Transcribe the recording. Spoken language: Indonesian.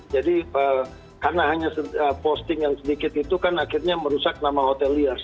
jadi karena hanya posting yang sedikit itu kan akhirnya merusak nama hoteliers